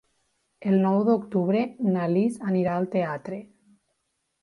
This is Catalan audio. El nou d'octubre na Lis irà al teatre.